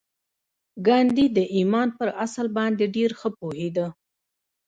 ګاندي د ایمان پر اصل باندې ډېر ښه پوهېده